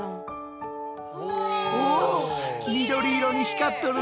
おお緑色に光っとる！